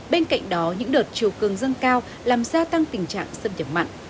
bên cạnh đó những đợt chiều cường dâng cao làm gia tăng tình trạng xâm nhập mặn